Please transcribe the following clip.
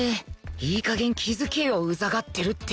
いい加減気づけようざがってるって